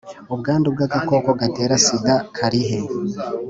Ubwandu bw agakoko gatera sida karihe